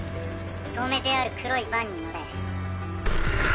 止めてある黒いバンに乗れ。